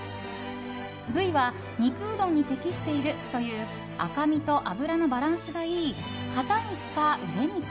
部位は肉うどんに適しているという赤身と脂のバランスがいいかた肉か、うで肉。